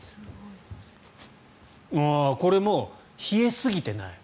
これも冷えすぎてない。